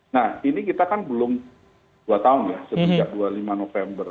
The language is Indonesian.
nah ini kita kan belum dua tahun ya semenjak dua puluh lima november